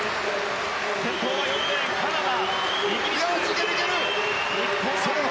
先頭は３レーン、カナダ。